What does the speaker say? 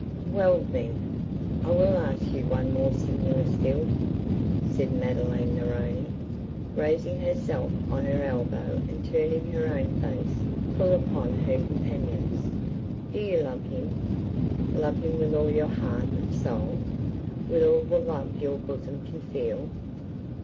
'Well, then, I will ask you one more singular still,' said Madeline Neroni, raising herself on her elbow and turning her own face full upon her companion's. 'Do you love him, love him with all your heart and soul, with all the love your bosom can feel?